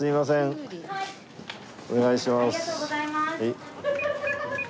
お願いします。